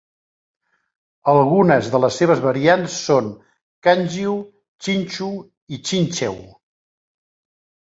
Algunes de les seves variants són Kangiu, Chinchu i Chincheu.